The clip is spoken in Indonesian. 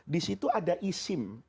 disitu ada isim